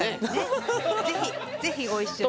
ぜひぜひご一緒に。